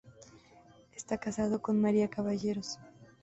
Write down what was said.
Estaba casado con María Caballeros.